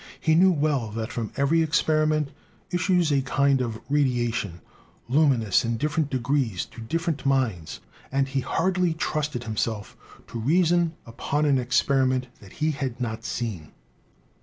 He knew well that from every experiment issues a kind of radiation, lumi nous in different degrees to different minds, and he hardly trusted himself to reason upon an experiment that he had not seen.